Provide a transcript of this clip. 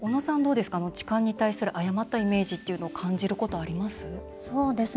痴漢に対する誤ったイメージというのを感じることはあります？